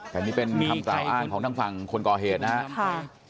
แต่นี่เป็นคำกล่าวอ้างของทางฝั่งคนก่อเหตุนะครับ